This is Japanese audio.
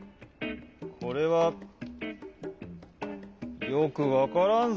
これはよくわからんぞ。